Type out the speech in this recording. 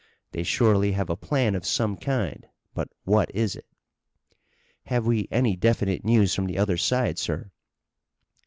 They surely have a plan of some kind, but what is it?" "Have we any definite news from the other side, sir?"